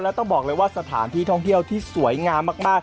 แล้วต้องบอกเลยว่าสถานที่ท่องเที่ยวที่สวยงามมาก